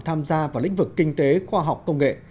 tham gia vào lĩnh vực kinh tế khoa học công nghệ